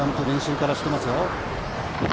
練習からしていますよ。